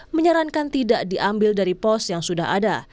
menyarankan tidak diambil dari pos yang sudah ada